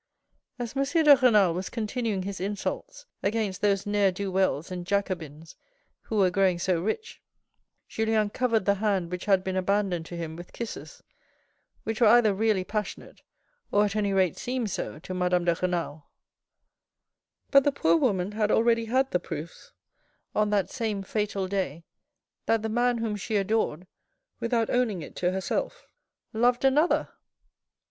As M. de Renal was continuing his insults against those ne'er do wells and Jacobins who were growing so rich, Julien covered the hand which had been abandoned to him with kisses, which were either really passionate or at any rate seemed so to Madame de Renal. But the poor woman had already had the proofs on that same fatal day that the man whom she adored, without owning it to herself, loved another